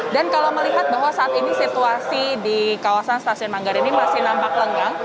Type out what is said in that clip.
dan kalau melihat bahwa saat ini situasi di kawasan stasiun manggarai ini masih nampak lengang